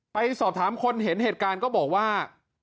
ไปสอบถามคนเห็นเหตุการณ์ก็บอกว่า